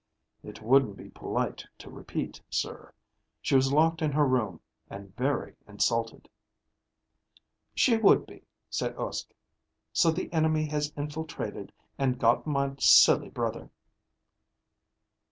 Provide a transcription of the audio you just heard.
"It wouldn't be polite to repeat, sir. She was locked in her room, and very insulted." "She would be," said Uske. "So, the enemy has infiltrated and gotten my silly brother."